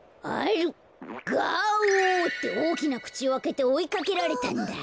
「ガオ！」っておおきなくちをあけておいかけられたんだ。